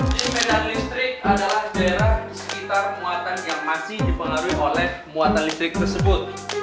di kendaraan listrik adalah daerah sekitar muatan yang masih dipengaruhi oleh muatan listrik tersebut